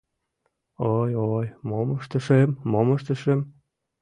— Ой, ой, мом ыштышым, мом ыштышым?